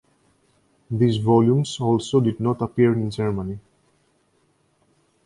These volumes also did not appear in Germany.